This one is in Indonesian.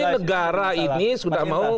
ini negara ini sudah mau